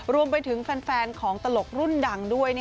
รวมไปถึงแฟนของตลกรุ่นดังด้วย